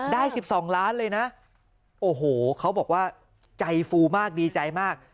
ได้๑๒ล้านเลยนะโอ้โหเขาบอกว่าใจฟูมากดีใจมาก